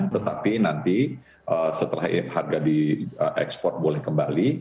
tetapi nanti setelah harga diekspor boleh kembali